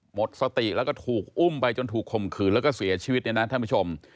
หมดสติแล้วก็ถูกอุ้มไปจนถูกข่มขืนแล้วก็เสียชีวิตเนี่ยนะท่านผู้ชม